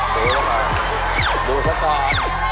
ดูละก่อนดูซะก่อน